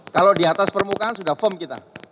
kalau di atas permukaan sudah firm kita